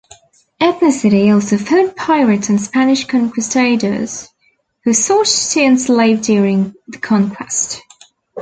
Ethnicity also fought pirates and Spanish conquistadors who sought to enslave during the conquest.